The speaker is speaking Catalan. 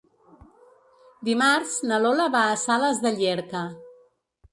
Dimarts na Lola va a Sales de Llierca.